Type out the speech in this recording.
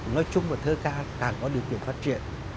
nói chung và thơ ca càng có điều kiện phát triển